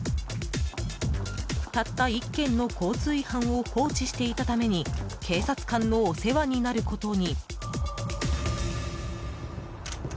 たった１件の交通違反を放置していたために警察官のお世話になることに。